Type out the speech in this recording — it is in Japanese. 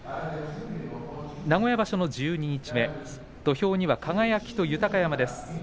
名古屋場所の十二日目土俵には輝と豊山です。